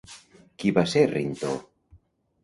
Qui va ser Rintó?